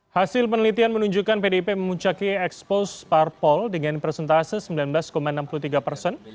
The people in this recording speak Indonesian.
hasil penelitian menunjukkan pdip memuncaki ekspos parpol dengan presentase sembilan belas enam puluh tiga persen